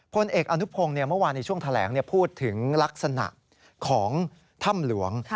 พลเอกอนุพงศ์เมื่อวานในช่วงแถลงพูดถึงลักษณะของถ้ำหลวง